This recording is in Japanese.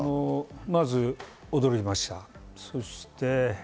まず驚きました。